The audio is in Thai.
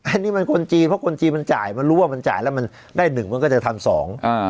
อันนี้มันคนจีนเพราะคนจีนมันจ่ายมันรู้ว่ามันจ่ายแล้วมันได้หนึ่งมันก็จะทำสองอ่า